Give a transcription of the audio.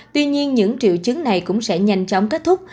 tuy nhiên những triệu chứng này cũng sẽ nhanh chóng kết thúc